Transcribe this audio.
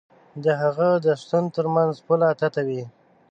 د هغه د شتون تر منځ پوله تته وي.